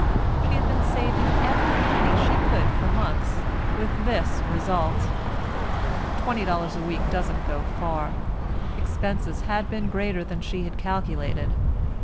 She had been saving every penny she could for months, with this result. Twenty dollars a week doesn't go far. Expenses had been greater than she had calculated.